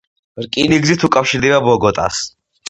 რკინიგზით უკავშირდება ბოგოტას.